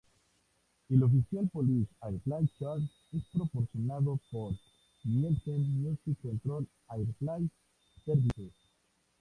El "Official Polish Airplay Chart" es proporcionado por "Nielsen Music Control Airplay Services".